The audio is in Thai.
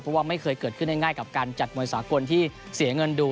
เพราะว่าไม่เคยเกิดขึ้นง่ายกับการจัดมวยสากลที่เสียเงินดู